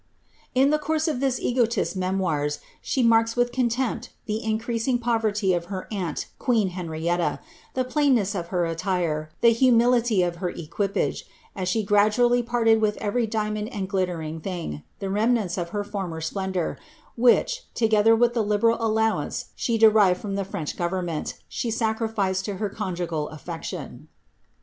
In the course of this egotist's memoirs, she marks with contempt the increasing poverty of her aunt, queen Henrietta, the plainness of her attire, the humility of her equipage, as she gradually parted with every diamond and glittering thing, the remnants of her former splendour, which, together witli the liberal allowance she derived from the French government, she sacrificed to her conjugal affection.